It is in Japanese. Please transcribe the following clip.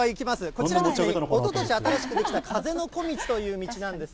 こちら、おととし、新しく出来た風の小径という道なんです。